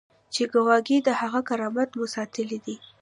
چې ګواکې د هغه کرامت مو ساتلی دی.